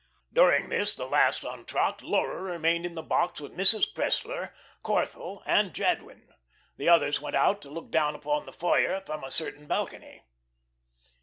During this, the last entr'acte, Laura remained in the box with Mrs. Cressler, Corthell, and Jadwin. The others went out to look down upon the foyer from a certain balcony.